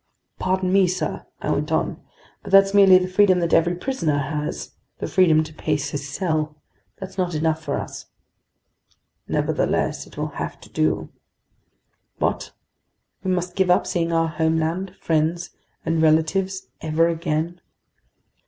"Pardon me, sir," I went on, "but that's merely the freedom that every prisoner has, the freedom to pace his cell! That's not enough for us." "Nevertheless, it will have to do!" "What! We must give up seeing our homeland, friends, and relatives ever again?"